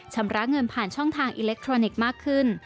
ชำระเงินผ่านช่องทางอิเล็กทรอนิกส์มากขึ้น